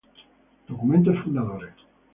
Documentos Fundadores